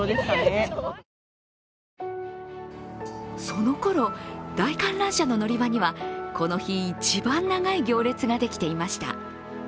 そのころ、大観覧車の乗り場にはこの日、一番長い行列ができていました。